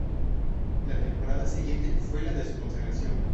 La temporada siguiente fue la de su consagración.